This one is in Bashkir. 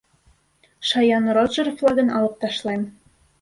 «ШАЯН РОДЖЕР» ФЛАГЫН АЛЫП ТАШЛАЙЫМ